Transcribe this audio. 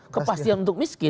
kepastian untuk miskin